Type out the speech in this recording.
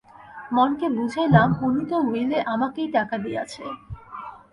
মনকে বুঝাইলাম, অনু তো উইলে আমাকেই টাকা দিয়াছে।